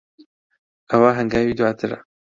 ئەوە ھەنگاوی دواترە.